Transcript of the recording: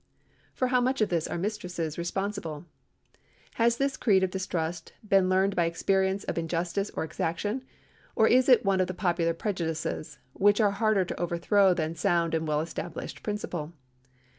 For how much of this are mistresses responsible? Has this creed of distrust been learned by experience of injustice or exaction, or is it one of the popular prejudices, which are harder to overthrow than sound and well established principle?